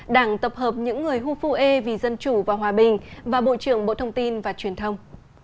đảng tập hợp những người hufuê vì dân chủ và hòa bình và bộ trưởng bộ thông tin và truyền thông